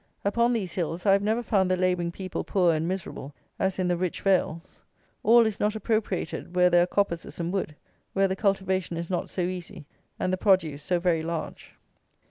Upon these hills I have never found the labouring people poor and miserable, as in the rich vales. All is not appropriated where there are coppices and wood, where the cultivation is not so easy and the produce so very large.